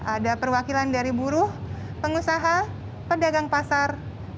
ada perwakilan dari buruh pengusaha pedagang pasar